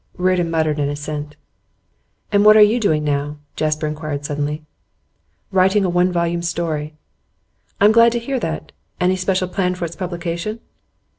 Reardon muttered an assent. 'And what are you doing now?' Jasper inquired suddenly. 'Writing a one volume story.' 'I'm glad to hear that. Any special plan for its publication?